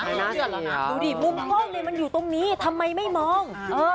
ดูดิมุมข้อมือมันอยู่ตรงนี้ทำไมไม่มอง